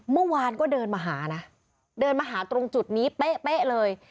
เมื่อวานก็เดินมาหานะเดินมาหาตรงจุดนี้เป๊ะเลย